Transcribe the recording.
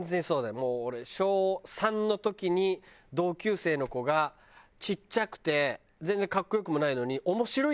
もう俺小３の時に同級生の子がちっちゃくて全然格好良くもないのに。